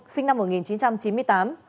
sinh năm một nghìn chín trăm chín mươi tám